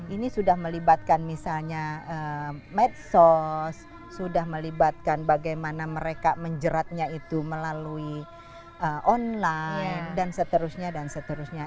ini sudah melibatkan misalnya medsos sudah melibatkan bagaimana mereka menjeratnya itu melalui online dan seterusnya dan seterusnya